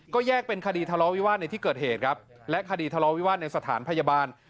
ก็แยกเป็นคดีทะเลาวิวาสในที่เกิดเหตุครับและคดีทะเลาวิวาสในสถานพยาบาล